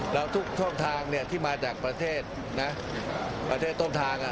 แล้วทุกช่องทางที่มาจากประเทศนะประเทศต้นทาง